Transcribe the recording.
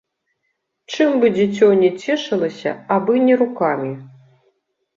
Чым бы дзіцё не цешылася, абы не рукамі.